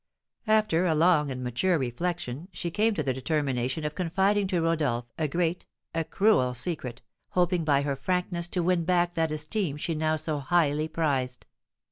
After a long and mature reflection she came to the determination of confiding to Rodolph a great, a cruel secret, hoping by her frankness to win back that esteem she now so highly prized.